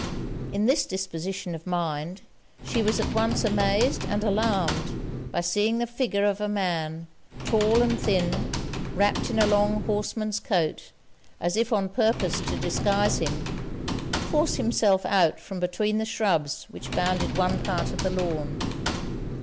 In this disposition of mind, she was at once amazed and alarmed, by seeing the figure of a man, tall and thin, wrapped in a long horseman's coat, as if on purpose to disguise him, force himself out from between the shrubs which bounded one part of the lawn.